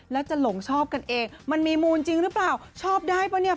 แล้วจะหลงชอบกันเองมันมีมูลจริงหรือเปล่าชอบได้ป่ะเนี่ย